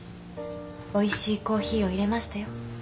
おいしいコーヒーを入れましたよ。